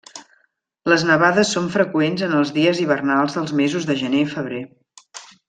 Les nevades són freqüents en els dies hivernals dels mesos de gener i febrer.